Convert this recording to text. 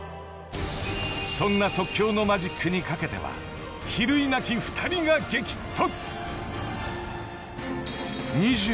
［そんな即興のマジックにかけては比類なき２人が激突］